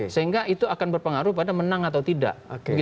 sehingga itu akan berpengaruh pada menang atau tidak